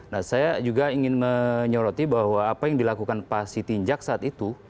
nah saya juga ingin menyoroti bahwa apa yang dilakukan pak sitinjak saat itu